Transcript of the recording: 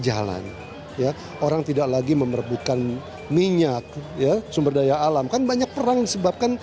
jalan ya orang tidak lagi memerbutkan minyak ya sumber daya alam kan banyak perang disebabkan